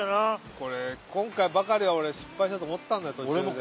これ今回ばかりは俺失敗したと思ったんだ途中で。